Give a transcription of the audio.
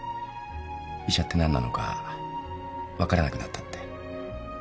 医者って何なのか分からなくなったって。